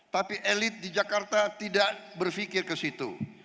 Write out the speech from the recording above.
tapi elit di jakarta tidak berpikir ke situ